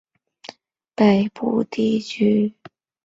这个区域被分为北边的北部地区。